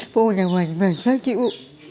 vô nhà mình phải xóa chịu